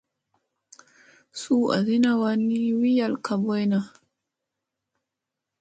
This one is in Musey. Suu asina wan ni wi yal ka ɓoyna.